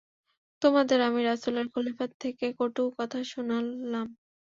তোমাদের জন্য আমি রাসূলের খলীফা থেকে কটু কথা শুনলাম।